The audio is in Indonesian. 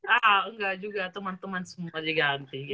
ah nggak juga teman teman semua diganti gitu